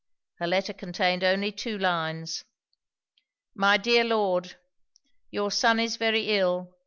Her letter contained only two lines. 'My dear Lord, 'Your son is very ill.